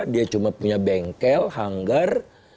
dia cuma punya bengkel hanggar